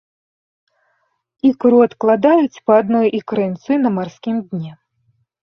Ікру адкладаюць па адной ікрынцы на марскім дне.